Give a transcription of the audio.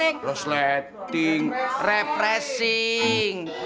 eh emang ya emang